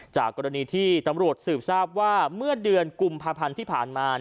จากกรณีที่ตำรวจสืบทราบว่าเมื่อเดือนกุมภาพันธ์ที่ผ่านมา